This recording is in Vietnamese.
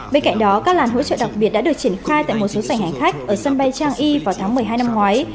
bên cạnh đó các làn hỗ trợ đặc biệt đã được triển khai tại một số sảnh hành khách ở sân bay chang y vào tháng một mươi hai năm ngoái